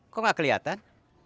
kok gak keliatan